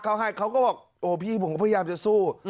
เขาก็บอกโอ้พี่ผมก็พยายามจะสู้